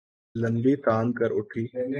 لمبی تان کر اُٹھی